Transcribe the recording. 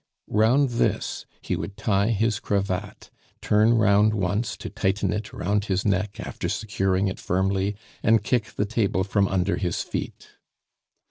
Round this he would tie his cravat, turn round once to tighten it round his neck after securing it firmly, and kick the table from under his feet.